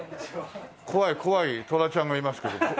怖い怖いトラちゃんがいますけど。